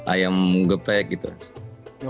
ayam gepek gitu mas